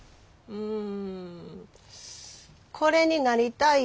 うん。